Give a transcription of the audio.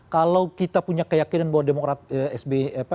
kalau kita punya keyakinan bahwa demokrat sby pak ahaye ini nggak bisa dikumpulkan